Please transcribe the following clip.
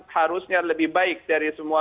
harusnya lebih baik dari semua